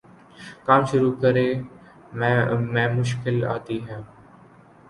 کام شروع کرے میں مشکل آتی ہے